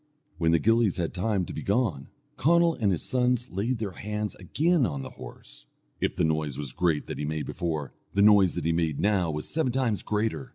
When the gillies had time to be gone, Conall and his sons laid their hands again on the horse. If the noise was great that he made before, the noise that he made now was seven times greater.